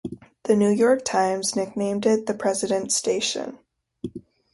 The New York Times nicknamed it The President's Station.